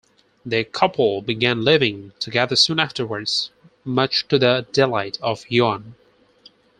They couple began living together soon afterwards, much to the delight of Yuan.